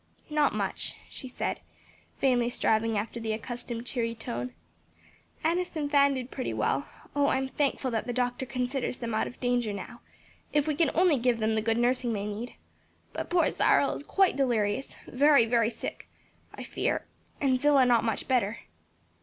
"Not much," she said, vainly striving after the accustomed cheery tone. "Annis and Fan did pretty well (oh, I am thankful that the doctor considers them out of danger now, if we can only give them the good nursing they need,) but poor Cyril is quite delirious, very, very sick, I fear, and Zillah not much better.